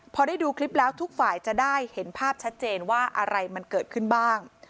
พอได้ดูคลิปแล้วทุกฝ่ายจะได้เห็นภาพชัดเจนว่าอะไรมันเกิดขึ้นบ้าง